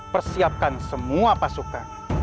persiapkan semua pasukan